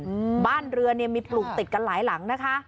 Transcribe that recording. อืมบ้านเรือเนี้ยมีปลูกติดกันหลายหลังนะคะ